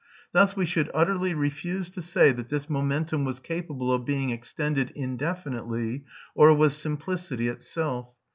Thus we should utterly refuse to say that this momentum was capable of being extended indefinitely or was simplicity itself.